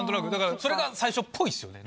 それが最初っぽいですよね。